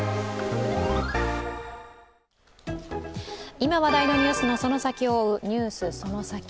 今話題のニュースのその先を追う「ＮＥＷＳそのサキ！」。